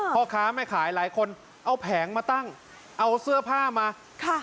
พ่อค้าแม่ขายหลายคนเอาแผงมาตั้งเอาเสื้อผ้ามาค่ะ